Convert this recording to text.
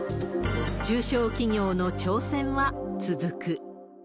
中小企業の挑戦は続く。